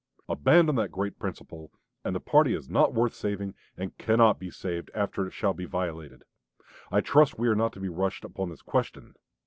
Abandon that great principle and the party is not worth saving, and cannot be saved after it shall be violated. I trust we are not to be rushed upon this question.